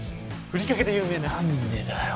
ふりかけで有名ななんでだよ